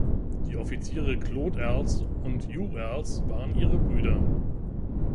Die Offiziere Claude Elles und Hugh Elles waren ihre Brüder.